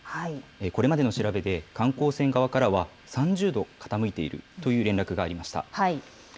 これまでの調べで、観光船側からは、３０度傾いているという連絡がありました。